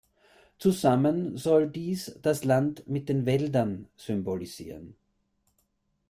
Zusammen soll dies das Land mit den Wäldern symbolisieren.